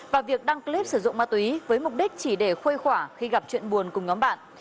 và việc đăng clip sử dụng ma túy với mục đích chỉ để khuê khỏa khi gặp chuyện buồn cùng nhóm bạn